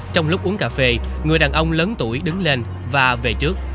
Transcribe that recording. trong lúc uống cà phê người đàn ông lớn tuổi đứng lên và về trước